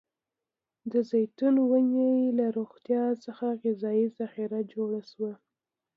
د زیتون ونې له روغتيا څخه غذايي ذخیره جوړه شوه.